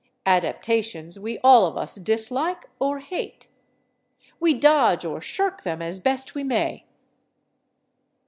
Adaptations we all of us dislike or hate. We dodge or shirk them as best we may."